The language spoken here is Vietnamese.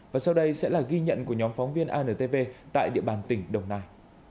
và sau đây sẽ là ghi nhận của nhóm phóng viên antv tại địa bàn tỉnh đồng nai